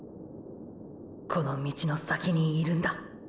この道の先にいるんだ。